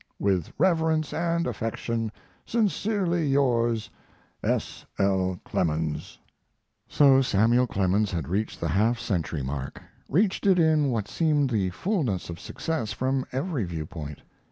With reverence and affection, Sincerely yours, S. L. CLEMENS. So Samuel Clemens had reached the half century mark; reached it in what seemed the fullness of success from every viewpoint.